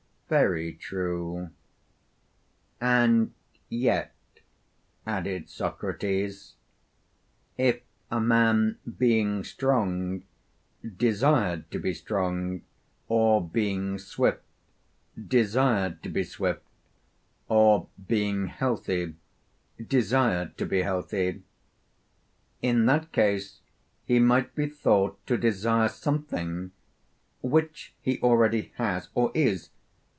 Very true. And yet, added Socrates, if a man being strong desired to be strong, or being swift desired to be swift, or being healthy desired to be healthy, in that case he might be thought to desire something which he already has or is.